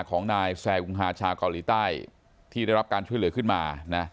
ของนายแซอุงฮาชาวเกาหลีใต้ที่ได้รับการช่วยเหลือขึ้นมานะ